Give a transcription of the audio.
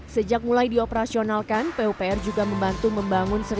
sejak mulai dioperasionalkan pupr juga membantu membangun